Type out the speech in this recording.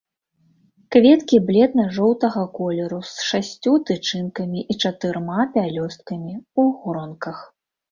Кветкі бледна-жоўтага колеру, з шасцю тычынкамі і чатырма пялёсткамі, у гронках.